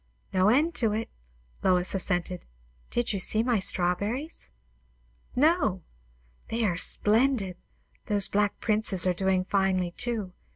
"No end to it," Lois assented. "Did you see my strawberries?" "No." "They are splendid. Those Black Princes are doing finely too.